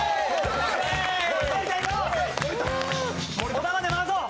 小田まで回そう！